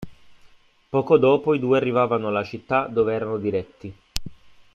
Poco dopo i due arrivano alla città dove erano diretti.